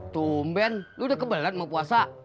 tumben lu udah kebelan mau puasa